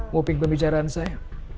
mau ping pembicaraan saya